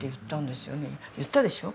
言ったでしょ？